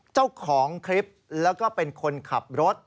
เจ้าของคลิปแล้วก็เป็นคนขับรถ